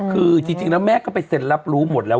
คือจริงแล้วแม่ก็ไปเซ็นรับรู้หมดแล้ว